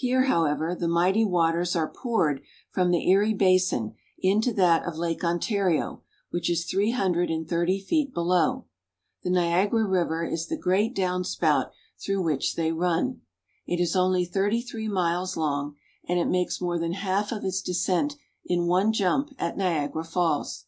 Niagara Falls. Here, however, the mighty waters are poured from the Erie basin into that of Lake Ontario, which is three hun dred and thirty feet below. The Niagara River is the NIAGARA FALLS. 197 great down spout through which they run. It is only thirty three miles long, and it makes more than half of its descent in one jump at Niagara Falls.